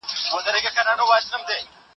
که وخت وي، مينه څرګندوم!